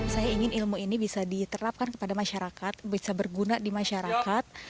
saya ingin ilmu ini bisa diterapkan kepada masyarakat bisa berguna di masyarakat